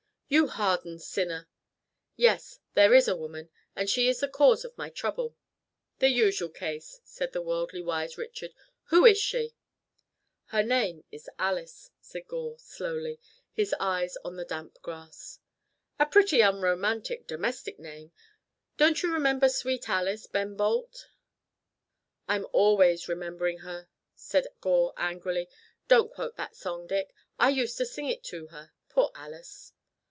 "You hardened sinner. Yes! There is a woman, and she is the cause of my trouble." "The usual case," said the worldly wise Richard. "Who is she?" "Her name is Alice," said Gore, slowly, his eyes on the damp grass. "A pretty unromantic, domestic name. 'Don't you remember sweet Alice, Ben Bolt?'" "I'm always remembering her," said Gore, angrily. "Don't quote that song, Dick. I used to sing it to her. Poor Alice."